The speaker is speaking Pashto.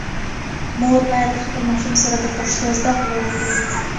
مور باید د خپل ماشوم سره د پښتو زده کړه وکړي.